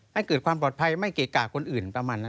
ให้เกิดความปลอดภัยไม่เกะกะคนอื่นประมาณนั้น